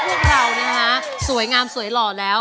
พวกเรานะฮะสวยงามสวยหล่อแล้ว